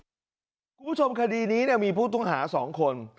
คุณผู้ชมคดีนี้มีผู้ต้องหา๒คน